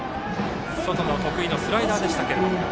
外の得意のスライダーでした。